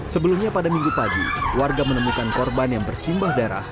sebelumnya pada minggu pagi warga menemukan korban yang bersimbah darah